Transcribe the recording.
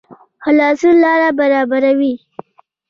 خلاصون لاره برابروي